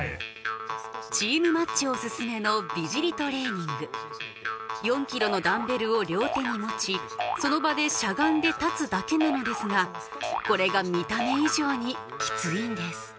チームマッチョおすすめの美尻トレーニング４キロのダンベルを両手に持ちその場でしゃがんで立つだけなのですがこれが見た目以上にキツイんです